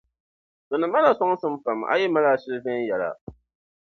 Di ni mali a sɔŋsim pam - A yi mali ashili viɛnyɛliŋga.